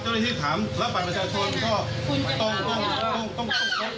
เจ้าหน้าที่ถามแล้วไปบัญชาชนก็ต้อง